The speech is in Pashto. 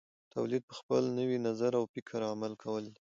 تولید په خپل نوي نظر او فکر عمل کول دي.